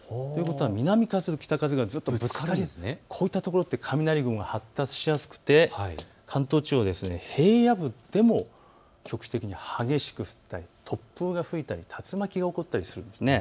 南風と北風がぶつかる、こういったところは雷雲が発達しやすくて関東地方、平野部でも局地的に激しく降ったり突風が吹いたり竜巻が起こったりするんですね。